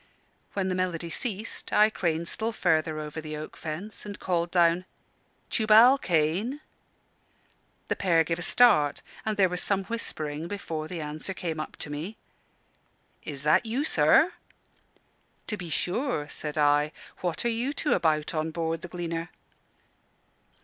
When the melody ceased, I craned still further over the oak fence and called down, "Tubal Cain!" The pair gave a start, and there was some whispering before the answer came up to me. "Is that you, sir?" "To be sure," said I. "What are you two about on board _The Gleaner?